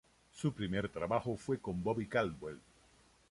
Su primer trabajo fue con Bobby Caldwell.